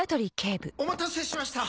お待たせしました！